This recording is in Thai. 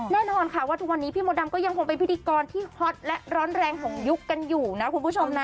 แน่นอนค่ะว่าทุกวันนี้พี่มดดำก็ยังคงเป็นพิธีกรที่ฮอตและร้อนแรงของยุคกันอยู่นะคุณผู้ชมนะ